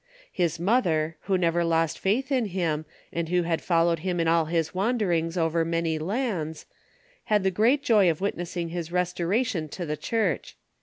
His mother, Avho never lost faith in him, and who had followed him in all his wander ings over many lands, had the great joy of witnessing his res toration to the Church.